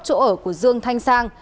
chỗ ở của dương thanh sang